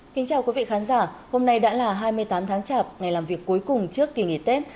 kính chào quý vị khán giả hôm nay đã là hai mươi tám tháng chạp ngày làm việc cuối cùng trước kỳ nghỉ tết